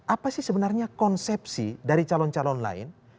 apa sih sebenarnya konsepsi dari calon calon lain